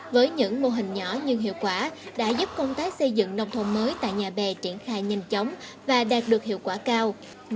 với những mô hình nhỏ nhưng hiệu quả đã giúp công tác xây dựng nông thôn mới tại nhà bè triển khai nhanh chóng và đạt được hiệu quả cao